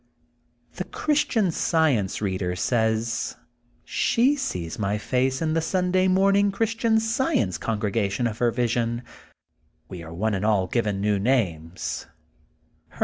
The Christian Science Beader says she sees my face in the Sunday morning Christian Science congregation of her vi sion. We are one and all given new names.